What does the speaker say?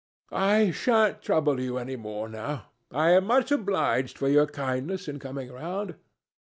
"I shan't trouble you any more now. I am much obliged for your kindness in coming round."